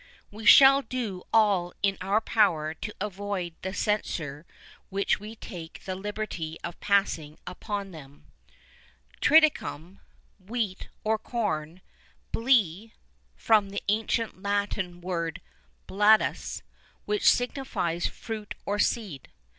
We shall do all in our power to avoid the censure which we take the liberty of passing upon them. "Triticum," wheat, or corn; "Blé," from the ancient Latin word "Bladus," which signifies fruit or seed.